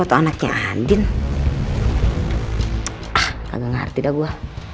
gak ngerti dah gue